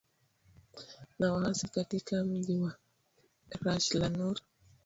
na waasi katika mji wa rashlanur